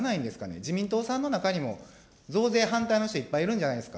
自民党さんの中にも、増税反対の人、いっぱいいるんじゃないですか。